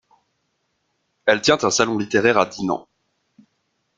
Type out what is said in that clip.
Elle tient un salon littéraire à Dinan.